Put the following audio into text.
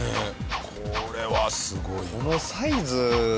これはすごいな。